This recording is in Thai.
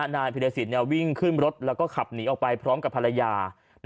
นายพิรสินวิ่งขึ้นรถแล้วก็ขับหนีออกไปพร้อมกับภรรยา